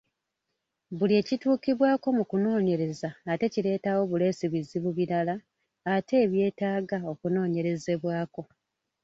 Buli ekituukibwako mu kunoonyereza ate kireetawo buleesi bizibu birala ate ebyetaaga okunoonyerezebwako.